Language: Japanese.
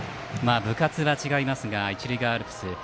部活は違いますが一塁側アルプス